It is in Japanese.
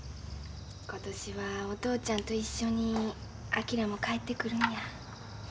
今年はお父ちゃんと一緒に昭も帰ってくるのや。